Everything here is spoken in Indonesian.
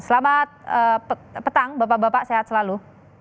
selamat petang bapak bapak sehat selalu